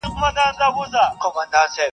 مُلایانو به زکات ولي خوړلای -